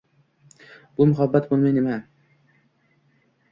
Bu muhabbat bo`lmay nima